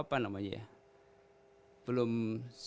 belum mencari penyelesaian dan penyelesaian yang terakhir ini